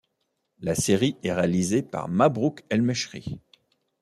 La série est réalisée par Mabrouk el Mechri.